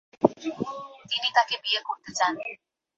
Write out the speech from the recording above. তিনি তাঁকে বিয়ে করতে চান।